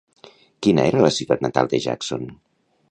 Quina era la ciutat natal de Jackson?